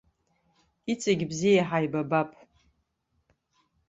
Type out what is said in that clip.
Иҵегь бзиа ҳаибабап.